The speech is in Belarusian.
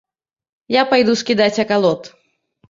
Я пайду скідаць акалот.